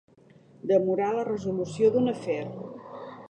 Demorar la resolució d'un afer.